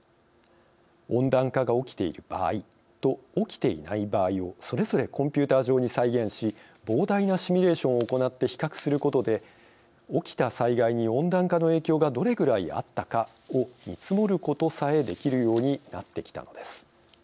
温暖化が起きている場合と起きていない場合をそれぞれコンピューター上に再現し膨大なシミュレーションを行って比較することで起きた災害に温暖化の影響がどれぐらいあったかを見積もることさえできるようになってきたのです。